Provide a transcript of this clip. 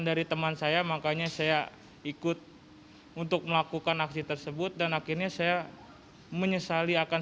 dari teman saya makanya saya ikut untuk melakukan aksi tersebut dan akhirnya saya menyesali akan